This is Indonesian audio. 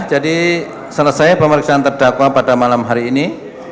jadi selesai pemeriksaan terdakwa pada malam hari ini